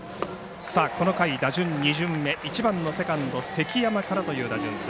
この回、打順２巡目１番のセカンド関山からという打順。